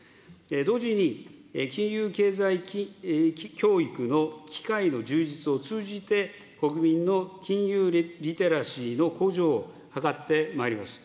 同時に、金融経済教育の機会の充実を通じて、国民の金融リテラシーの向上を図ってまいります。